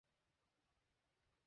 পাইপের মুখে একটা চাবি আছে।